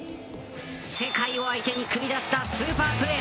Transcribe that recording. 世界を相手に繰り出したスーパープレー